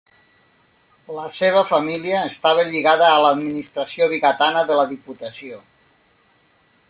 La seva família estava lligada a l'administració vigatana de la Diputació.